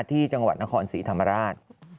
ที่จังหวัดนครศรีธรรมราช